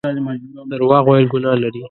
درواغ ويل ګناه لري